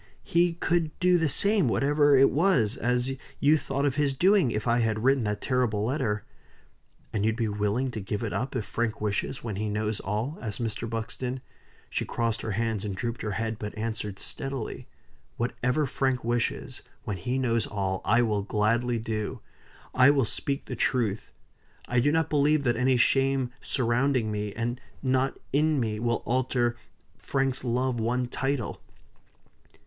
He could do the same, whatever it was, as you thought of his doing, if I had written that terrible letter." "And you'll be willing to give it up, if Frank wishes, when he knows all?" asked Mr. Buxton. She crossed her hands and drooped her head, but answered steadily. "Whatever Frank wishes, when he knows all, I will gladly do. I will speak the truth. I do not believe that any shame surrounding me, and not in me, will alter Frank's love one title."